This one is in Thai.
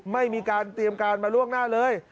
ไม่มีการเตรียมการมาล่วงหน้าเลย